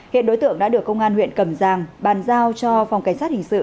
hiện đối tượng đã được công an huyện cầm giang bàn giao cho phòng cảnh sát hình sự